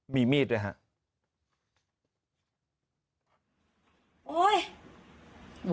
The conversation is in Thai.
มีมีดด้วยครับ